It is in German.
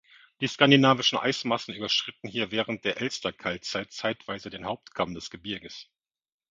Die skandinavischen Eismassen überschritten hier während der Elsterkaltzeit zeitweise den Hauptkamm des Gebirges.